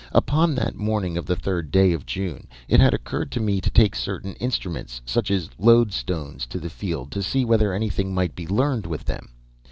Upon that morning of the third day of June, it had occurred to me to take certain instruments, such as loadstones, to the field, to see whether anything might be learned with them.